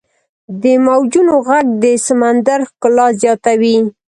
• د موجونو ږغ د سمندر ښکلا زیاتوي.